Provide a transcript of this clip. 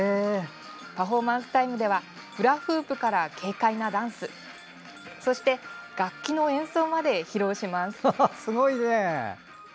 パフォーマンスタイムではフラフープから軽快なダンスそして楽器の演奏まで披露します。